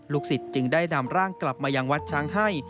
ศิษย์จึงได้นำร่างกลับมายังวัดช้างให้